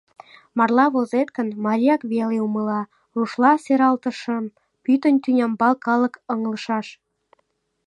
Марла возет гын, марияк веле умыла, рушла сералтышым — пӱтынь тӱнямбал калык ыҥлышаш.